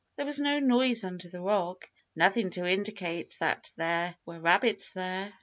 There was no noise under the rock nothing to indicate that there were rabbits there.